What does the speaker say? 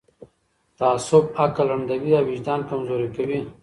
تعصب عقل ړندوي او وجدان کمزوری کوي